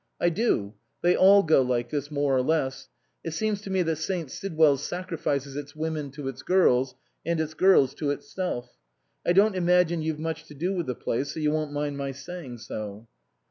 " I do ; they all go like this, more or less. It seems to me that St. Sidwell's sacrifices its women to its girls, and its girls to itself. I don't imagine you've much to do with the place, so you won't mind my saying so."